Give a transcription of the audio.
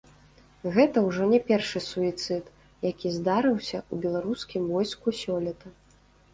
Гэта ўжо не першы суіцыд, які здарыўся ў беларускім войску сёлета.